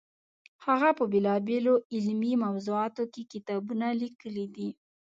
هغه په بېلابېلو علمي موضوعاتو کې کتابونه لیکلي دي.